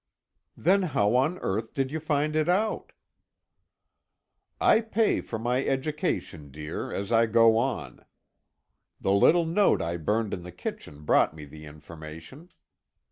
"Then how on earth did you find it out?" "I pay for my education, dear, as I go on. The little note I burned in the kitchen brought me the information."